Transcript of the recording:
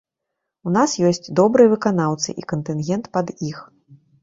У нас ёсць добрыя выканаўцы і кантынгент пад іх.